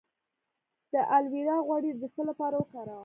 د الوویرا غوړي د څه لپاره وکاروم؟